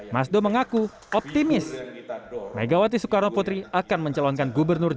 masdo mengaku optimis megawati soekarno putri akan mencalonkan gubernur